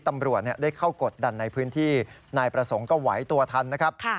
ตำรวจได้เข้ากดดันในพื้นที่นายประสงค์ก็ไหวตัวทันนะครับ